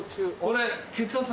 俺。